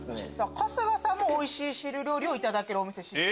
春日さんもおいしい汁料理をいただけるお店知ってると。